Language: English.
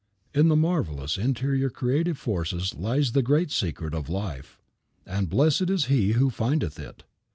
In the marvelous interior creative forces lies the great secret of life, and blessed is he who findeth it.